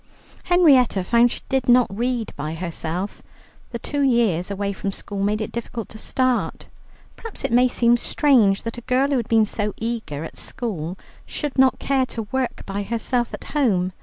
Henrietta found she did not read by herself. The two years away from school made it difficult to start. Perhaps it may seem strange that a girl who had been so eager at school, should not care to work by herself at home.